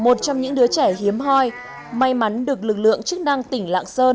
một trong những đứa trẻ hiếm hoi may mắn được lực lượng chức năng tỉnh lạng sơn